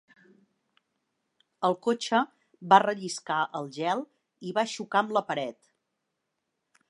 El cotxe va relliscar al gel i va xocar amb la pared.